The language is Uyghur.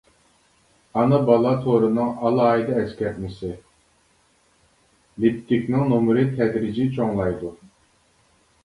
ئانا-بالا تورىنىڭ ئالاھىدە ئەسكەرتمىسى: لىپتىكنىڭ نومۇرى تەدرىجىي چوڭلايدۇ.